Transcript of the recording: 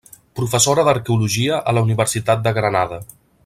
Professora d'arqueologia a la Universitat de Granada.